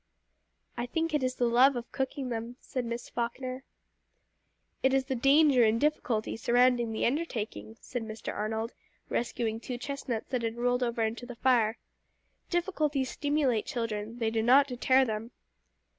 "I think it is the love of cooking them," said Miss Falkner. "It is the danger and difficulty surrounding the undertaking," said Mr. Arnold, rescuing two chestnuts that had rolled over into the fire. "Difficulties stimulate children, they do not deter them."